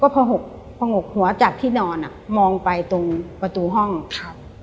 พอหกพองกหัวจากที่นอนอ่ะมองไปตรงประตูห้องครับ